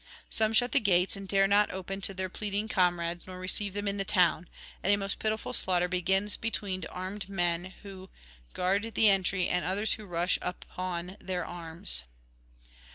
Some shut the gates, and dare not open to their pleading comrades nor receive them in the town; and a most pitiful slaughter begins between armed men who guard the entry and others who rush upon their arms.